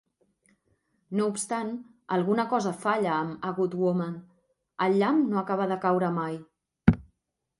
No obstant, alguna cosa falla amb A Good Woman: el llamp no acaba de caure mai.